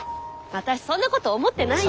私そんなこと思ってないよ。